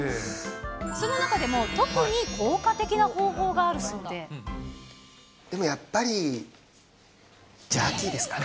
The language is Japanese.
その中でも特に効果的な方法でもやっぱり、ジャーキーですかね。